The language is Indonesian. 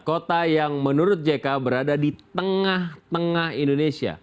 kota yang menurut jk berada di tengah tengah indonesia